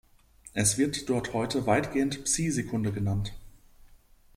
Es wird dort heute weitgehend Psi-Sekunde genannt.